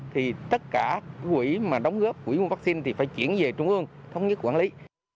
thì tất cả quỹ mà đóng góp quỹ nguồn vaccine thì phải chuyển về trung ương thống nhất quản lý